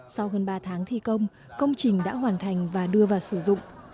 sau hơn ba tháng thi công công trình đã hoàn thành và đưa vào sử dụng